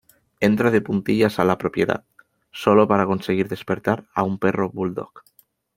Entra de puntillas a la propiedad, sólo para conseguir despertar a un perro bulldog.